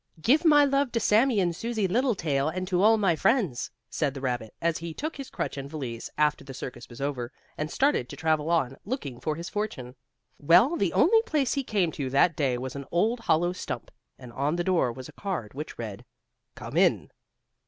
"Give my love to Sammie and Susie Littletail and to all my friends," said the rabbit, as he took his crutch and valise, after the circus was over, and started to travel on, looking for his fortune. Well, the first place he came to that day was an old hollow stump, and on the door was a card which read: COME IN.